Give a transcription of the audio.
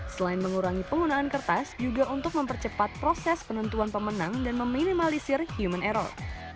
selain mengurangi penggunaan kertas juga untuk mempercepat proses penentuan pemenang dan meminimalisir human error